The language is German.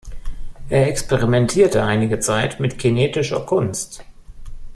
Er experimentierte einige Zeit mit Kinetischer Kunst.